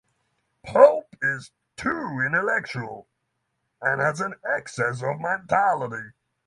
Pope is too intellectual and has an excess of mentality.